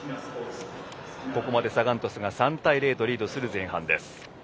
ここまでサガン鳥栖が３対０とリードする前半です。